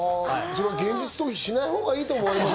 現実逃避しないほうがいいと思います。